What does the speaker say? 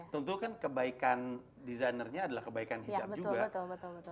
dulu kan kebaikan desainernya adalah kebaikan hitchup juga